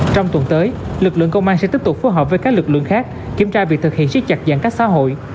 trong tuần tới lực lượng công an sẽ tiếp tục phối hợp với các lực lượng khác kiểm tra việc thực hiện siết chặt giãn cách xã hội